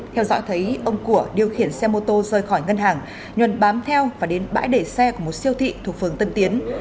theo dõi thấy ông của điều khiển xe mô tô rời khỏi ngân hàng nguyền bám theo và đến bãi để xe của một siêu thị thuộc phường tân tiến